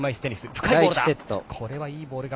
深いボールだ。